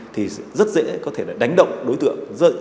thì rất dễ có thể đánh động đối tượng